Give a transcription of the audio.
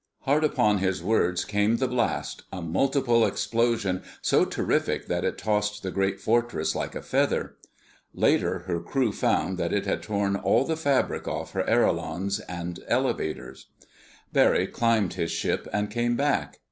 Hard upon his words came the blast—a multiple explosion so terrific that it tossed the great Fortress like a feather. Later her crew found that it had torn all the fabric off her ailerons and elevators. Barry climbed his ship, and came back.